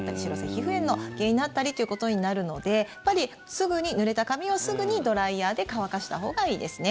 皮膚炎の原因になったりということになるのでぬれた髪をすぐにドライヤーで乾かしたほうがいいですね。